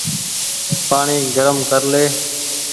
پآڻيٚ گرم ڪر لي ۔